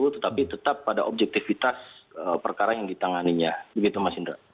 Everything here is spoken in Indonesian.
tetapi tetap pada objektivitas perkara yang ditanganinya begitu mas indra